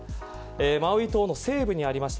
マウイ島の西部にありまして